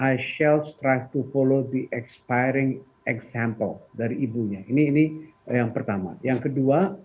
i shall strive to follow the expiring example dari ibunya ini yang pertama yang kedua